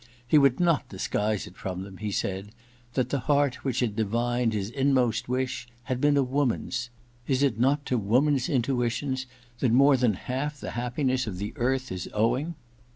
He would not disguise from them, he said, that the heart which had divined his inmost wish had been a woman's — is it not to woman's intuitions that more than half the happiness of earth is owing